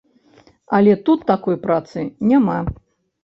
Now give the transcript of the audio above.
Але тут такой працы няма.